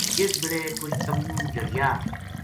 جس بِلے کجھ تمبو جھڑیا